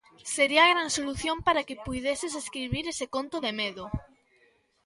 Sería a gran solución para que puideses escribir ese conto de medo.